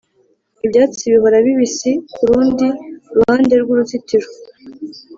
ibyatsi bihora bibisi kurundi ruhande rwuruzitiro